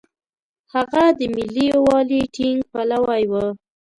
هغه د ملي یووالي ټینګ پلوی و.